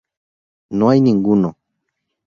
No hay ninguno".